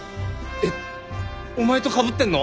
えっお前とかぶってんの？